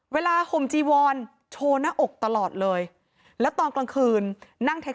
เวลาโทรน่ะออกตลอดเลยและตอนกลางคืนนั้งจาก